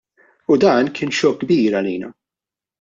U dan kien xokk kbir għalina.